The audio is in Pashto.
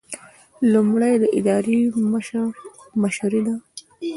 لومړی د ادارې مشري ده.